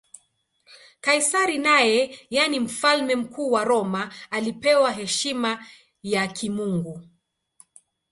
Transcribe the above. Kaisari naye, yaani Mfalme Mkuu wa Roma, alipewa heshima ya kimungu.